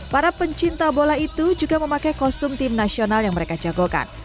para pencinta bola itu juga memakai kostum tim nasional yang mereka jagokan